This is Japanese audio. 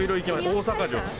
大阪城。